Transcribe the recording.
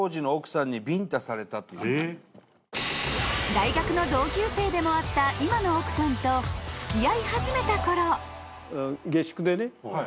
大学の同級生でもあった今の奥さんと付き合い始めたころ。